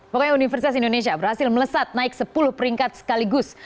pokoknya universitas indonesia berhasil melesat naik sepuluh peringkat sekaligus